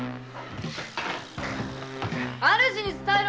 主に伝えろ！